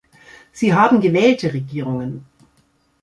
Sie haben gewählte Regierungen.